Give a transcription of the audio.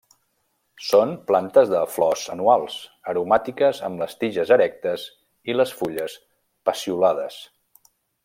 Són plantes de flors anuals, aromàtiques amb les tiges erectes i les fulles peciolades.